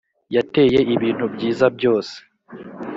yateye ibintu byiza byose